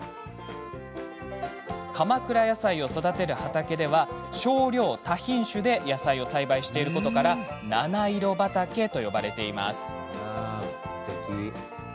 鎌倉やさいを育てる畑では少量多品種で野菜を栽培していることから七色畑と呼ばれています。